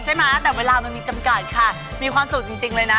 ใช่ไหมแต่เวลามันมีจำกัดค่ะมีความสุขจริงเลยนะ